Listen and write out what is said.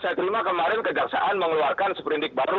informasi yang saya terima kemarin kejaksaan mengeluarkan seperindik baru